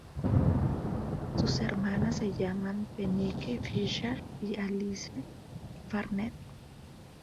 Sus hermanas se llaman Penique Fischer y Alice Barnett.